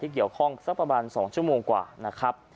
เกี่ยวข้องสักประมาณ๒ชั่วโมงกว่านะครับ